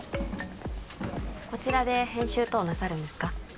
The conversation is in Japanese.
こちらで編集等なさるんですか？